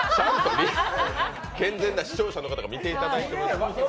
健全な視聴者の人が見ていただいてますから。